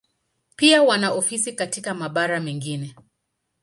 Pia wana ofisi katika mabara mengine.